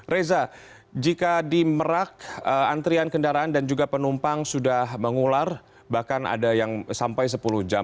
reza jika di merak antrian kendaraan dan juga penumpang sudah mengular bahkan ada yang sampai sepuluh jam